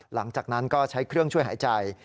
หลังจากนั้นก็ใช้เครื่องช่วยหายใจ